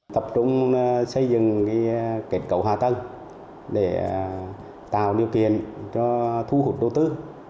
tập trung xây dựng kết cấu hòa tầng để tạo điều kiện cho thu hút đô tư